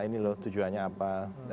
ini loh tujuannya apa